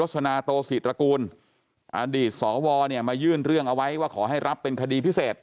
สวเนี่ยมายื่นเรื่องเอาไว้ว่าขอให้รับเป็นคดีพิเศษ